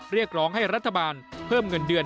เรียกร้องให้รัฐบาลเพิ่มเงินเดือน